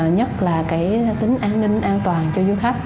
nhất là cái tính an ninh an toàn cho du khách